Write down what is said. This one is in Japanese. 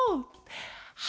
は